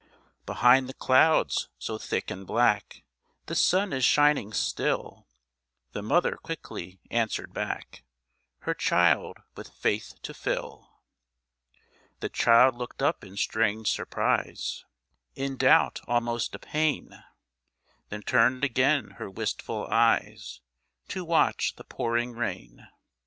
"Behind the clouds so thick and black The sun is shining still," The mother quickly answered back, Her child with faith to fill. The child looked up in strange surprise, In doubt almost a pain, Then turned again her wistful eyes To watch the pouring rain.